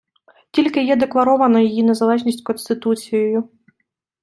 Тільки є декларована її незалежність Конституцією.